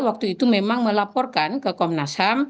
waktu itu memang melaporkan ke komnas ham